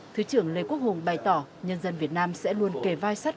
thứ trưởng lê quốc hùng bày tỏ nhân dân việt nam sẽ luôn kề vai sát cải